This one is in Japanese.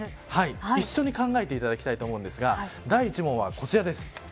一緒に考えていただきたいと思うんですが第１問はこちらです。